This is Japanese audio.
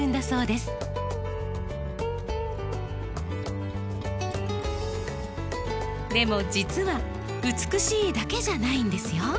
でも実は美しいだけじゃないんですよ。